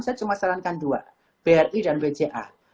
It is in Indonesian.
saya cuma sarankan dua bri dan bca